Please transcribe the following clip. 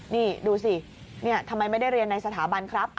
นี่ดูสิทำไมไม่ได้เรียนในสถาบันครับ